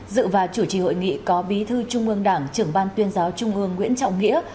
dự và chủ trì hội nghị có bí thư trung ương đảng trưởng ban tuyên giáo trung ương nguyễn trọng nghĩa